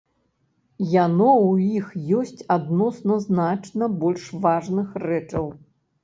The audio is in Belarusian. Яно ў іх ёсць адносна значна больш важных рэчаў.